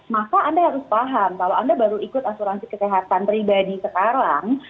maka anda harus paham kalau anda baru ikut asuransi kesehatan pribadi sekarang